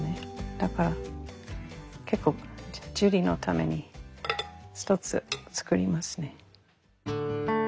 だから結構ジュリのために一つつくりますね。